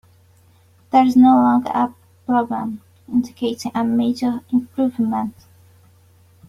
That is no longer a problem, indicating a major improvement.